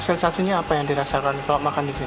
sensasinya apa yang dirasakan kalau makan di sini